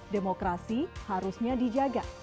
demokrasi harusnya dijaga